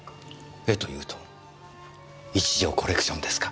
絵というと一条コレクションですか？